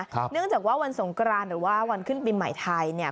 เนื่องจากว่าวันสงกรานหรือว่าวันขึ้นปีใหม่ไทยเนี่ย